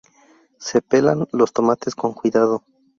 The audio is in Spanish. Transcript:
Se pelan los tomates con cuidado.